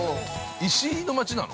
石の町なの？